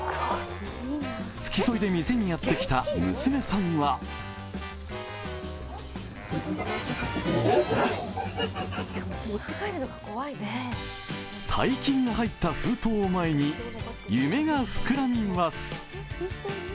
付き添いで店にやってきた娘さんは大金が入った封筒を前に夢が膨らみます。